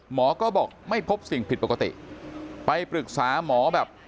หมอก็บอกไม่พบสิ่งผิดปกติไปปรึกษาหมอแบบ